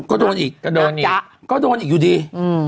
ก็โดนอีกก็โดนอีกก็โดนอีกอยู่ดีอืม